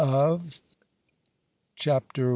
CHAPTER II.